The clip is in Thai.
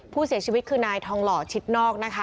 ผู้เสียชีวิตคือนายทองหล่อชิดนอกนะคะ